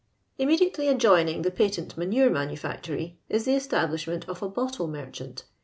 ''Immediately adjoining the patent ma nure manufactory is the establishment of a bottle merchant.